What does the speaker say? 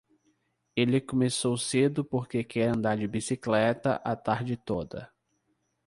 Ele começou cedo porque quer andar de bicicleta a tarde toda.